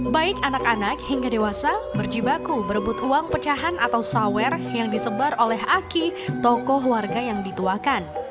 baik anak anak hingga dewasa berjibaku berebut uang pecahan atau sawer yang disebar oleh aki tokoh warga yang dituakan